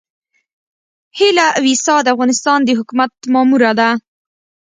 هيله ويسا د افغانستان د حکومت ماموره ده.